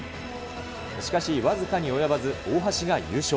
しかし、僅かに及ばず、大橋が優勝。